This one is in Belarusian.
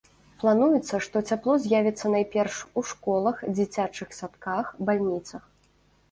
Плануецца, што цяпло з'явіцца найперш у школах, дзіцячых садках, бальніцах.